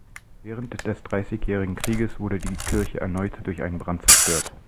Während des Dreißigjährigen Krieges wurde die Kirche erneut durch einen Brand zerstört.